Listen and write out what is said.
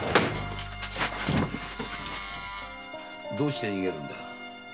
どうして逃げるんだ？